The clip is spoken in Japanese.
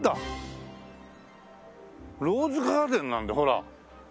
ローズガーデンなんだよほら。